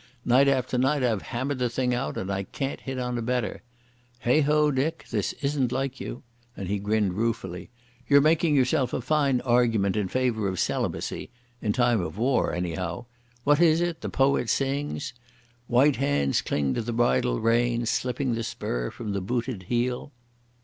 Night after night I've hammered the thing out, and I can't hit on a better.... Heigh ho, Dick, this isn't like you," and he grinned ruefully. "You're making yourself a fine argument in favour of celibacy—in time of war, anyhow. What is it the poet sings?— "'White hands cling to the bridle rein, Slipping the spur from the booted heel.